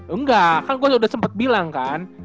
enggak kan gua udah sempet bilang kan